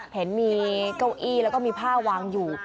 เห็นมีเก้าอี้แล้วก็มีผ้าวางอยู่